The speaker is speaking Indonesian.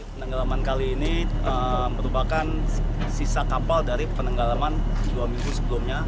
penenggelaman kali ini merupakan sisa kapal dari penenggelaman dua minggu sebelumnya